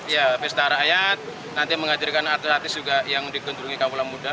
ya pesta rakyat nanti mengajarkan artis artis juga yang digunjungi kampung la muda